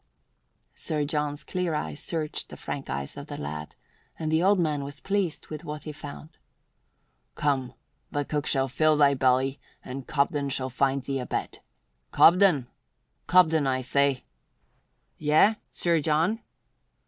Sir John's clear eyes searched the frank eyes of the lad, and the old man was pleased with what he found. "Come, the cook shall fill thy belly and Cobden shall find thee a bed. Cobden! Cobden, I say!" "Yea, Sir John."